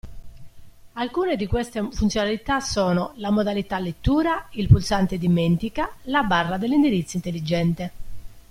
Alcune di queste funzionalità sono: la Modalità lettura, il Pulsante dimentica, la Barra degli indirizzi intelligente.